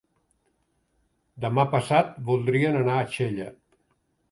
Demà passat voldrien anar a Xella.